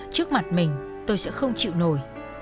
trước mặt mình tôi sẽ không chịu nổi